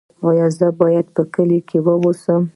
ایا زه باید په کلي کې اوسم؟